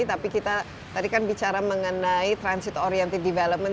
tapi kita tadi kan bicara mengenai transit oriented development